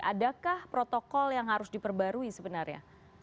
adakah protokol yang harus diperbarui sebenarnya